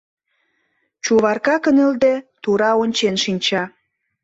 Чуварка, кынелде, тура ончен шинча.